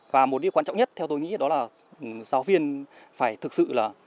và một điều quan trọng nhất theo tôi nghĩ đó là giáo viên phải thực sự là